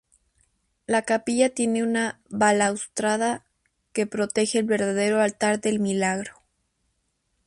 La capilla tiene una balaustrada que protege el verdadero altar del milagro.